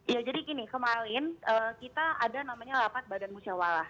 ya jadi gini kemarin kita ada namanya lapat badan musyawarah